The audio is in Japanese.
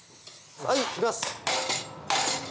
はいいきます！